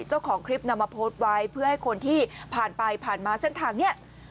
เจ้าของคลิปนำมาโพสต์ไว้เพื่อให้คนที่ผ่านไปผ่านมาเส้นทางนี้